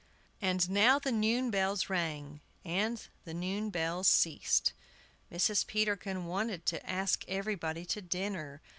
And now the noon bells rang and the noon bells ceased. Mrs. Peterkin wanted to ask everybody to dinner.